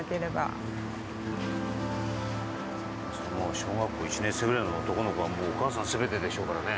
小学校１年生ぐらいの男の子はお母さんが全てでしょうからね。